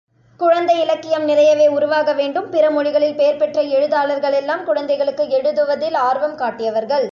குழந்தை இலக்கியம் நிறையவே உருவாக வேண்டும், பிறமொழிகளில் பேர்பெற்ற எழுத்தாளர்களெல்லாம் குழந்தைகளுக்கு எழுதுவதில் ஆர்வம் காட்டியவர்கள்.